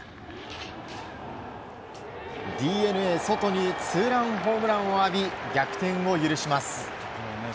ＤｅＮＡソトにツーランホームランを浴び逆転を許します。